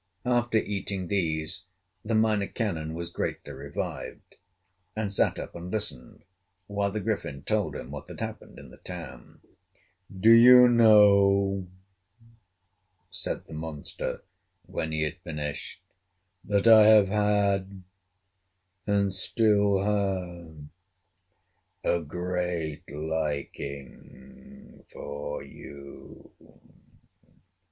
After eating these the Minor Canon was greatly revived, and sat up and listened while the Griffin told him what had happened in the town. "Do you know," said the monster, when he had finished, "that I have had, and still have, a great liking for you?"